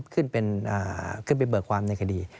ขึ้นไปเบิกความในคดี